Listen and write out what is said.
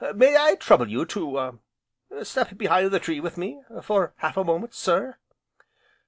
May I trouble you to step behind the tree with me for half a moment, sir?"